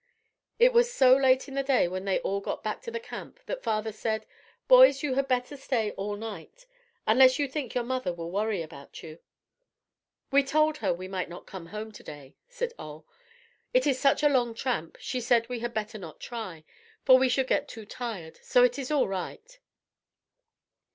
It was so late in the day when they all got back to the camp that father said: "Boys, you had better stay all night, unless you think your mother will worry about you." "We told her we might not come home to day," said Ole. "It is such a long tramp, she said we had better not try, for we would get too tired. So it is all right."